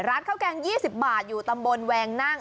ร้านข้าวแกง๒๐บาทอยู่ตำบลแวงนั่ง